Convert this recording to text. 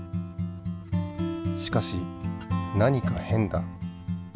しかし何か変だ。